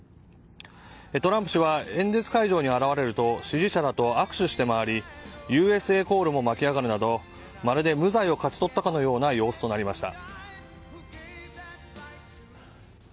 トランプ氏は演説会場に現れると支持者らと握手して回りＵＳＡコールも巻き上がるなどまるで無罪を勝ち取ったかのような様子となりました。